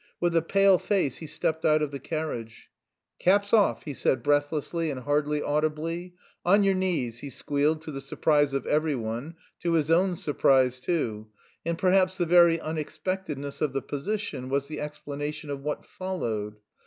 With a pale face he stepped out of his carriage. "Caps off!" he said breathlessly and hardly audibly. "On your knees!" he squealed, to the surprise of every one, to his own surprise too, and perhaps the very unexpectedness of the position was the explanation of what followed.